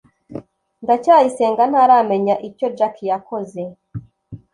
ndacyayisenga ntaramenya icyo jaki yakoze